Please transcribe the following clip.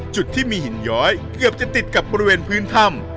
จุดที่มีหินย้อยเกือบจะติดกับบริเวณพื้นถ้ำ